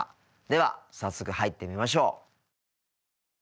では、早速入ってみましょう。